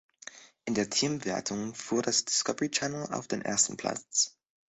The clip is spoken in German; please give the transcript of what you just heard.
In der Teamwertung fuhr das Discovery Channel auf den ersten Platz.